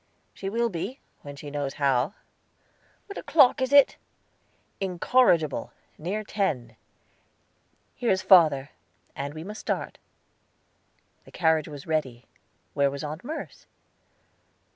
"She will be, when she knows how." "What o'clock is it?" "Incorrigible! Near ten." "Here is father, and we must start." The carriage was ready; where was Aunt Merce?